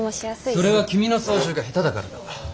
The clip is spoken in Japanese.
それは君の操縦が下手だからだ。